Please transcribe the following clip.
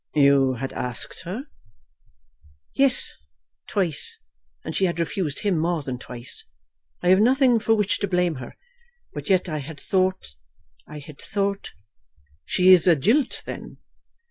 "You had asked her?" "Yes; twice. And she had refused him more than twice. I have nothing for which to blame her; but yet I had thought, I had thought " "She is a jilt then?"